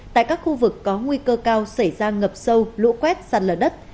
tại các khu vực có nguy cơ cao xảy ra ngập sâu lũ quét sạt lở đất